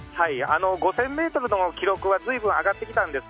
５０００ｍの記録がずいぶん上がってきたんです。